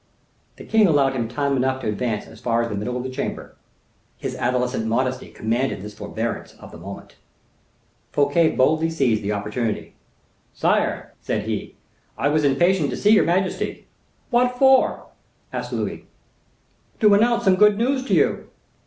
The king allowed him time enough to advance as far as the middle of the chamber. His adolescent modesty commanded this forbearance of the moment. Fouquet boldly seized the opportunity. "Sire," said he, "I was impatient to see your majesty." "What for?" asked Louis. "To announce some good news to you."